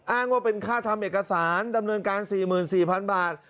อ้างว่าเป็นค่าทำเอกสารดำเนินการ๔๔๐๐๐บาท